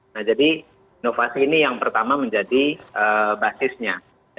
nah jadi inovasi ini yang pertama menjadi basisnya